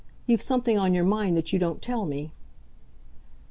You've something on your mind that you don't tell me."